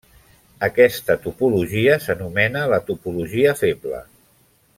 Aquesta topologia s'anomena la topologia feble.